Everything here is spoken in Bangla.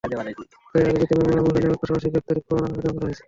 তাই আরজিতে মামলা আমলে নেওয়ার পাশাপাশি গ্রেপ্তারি পরোয়ানারও আবেদন করা হয়েছে।